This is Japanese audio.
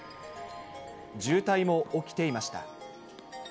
渋滞も起きていました。